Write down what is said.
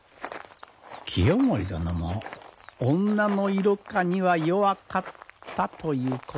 清盛殿も女の色香には弱かったということですな。